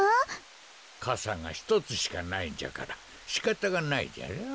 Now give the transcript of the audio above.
かさがひとつしかないんじゃからしかたがないじゃろう。